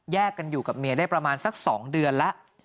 กันอยู่กับเมียได้ประมาณสัก๒เดือนแล้ว